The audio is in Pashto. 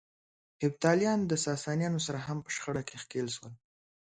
هېپتاليان د ساسانيانو سره هم په شخړه کې ښکېل شول.